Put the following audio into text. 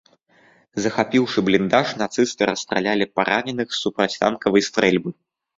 Захапіўшы бліндаж, нацысты расстралялі параненых з супрацьтанкавай стрэльбы.